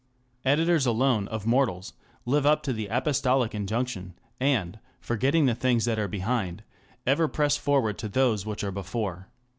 Editors alone of mortals live up to the apostolic injunction, and, forgetting the things that are behind, ever press for ward to those which are before.